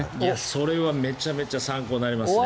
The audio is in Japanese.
それはめちゃめちゃ参考になりますね。